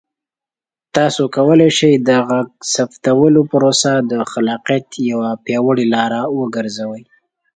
تاسو کولی شئ د غږ ثبتولو پروسه د خلاقیت یوه پیاوړې لاره وګرځوئ.